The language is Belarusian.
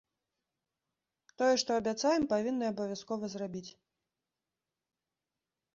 Тое, што абяцаем, павінны абавязкова зрабіць.